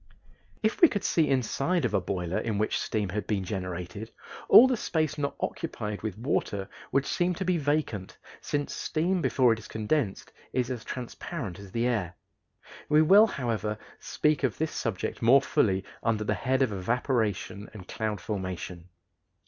If we could see inside of a boiler in which steam had been generated, all the space not occupied with water would seem to be vacant, since steam before it is condensed is as transparent as the air. We will, however, speak of this subject more fully under the head of evaporation and cloud formation.